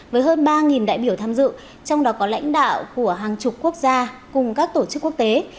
với hơn ba đại biểu tham dự trong đó có lãnh đạo của hàng chục quốc gia cùng các tổ chức quốc tế